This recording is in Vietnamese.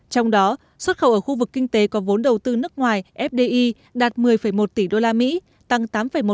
trong đó xuất khẩu ở khu vực kinh tế có vốn đầu tư nước ngoài fdi đạt một mươi một tỷ usd tăng tám một